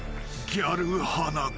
［ギャル花子。